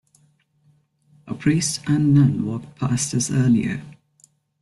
A priest and nun walked past us earlier.